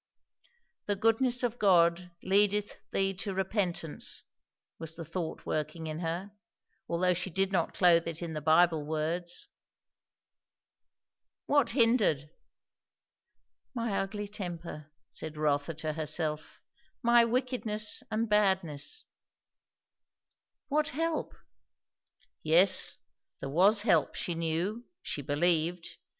"The goodness of God leadeth thee to repentance," was the thought working in her; although she did not clothe it in the Bible words. What hindered? "My ugly temper," said Rotha to herself; "my wickedness and badness." What help? Yes, there was help, she knew, she believed.